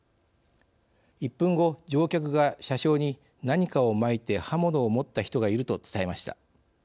１分後、乗客が車掌に「何かをまいて刃物を持った人がいる」と伝えました。